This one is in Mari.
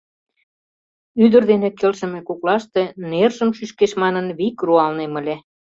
Ӱдыр дене келшыме коклаште нержым шӱшкеш манын, вик руалнем ыле.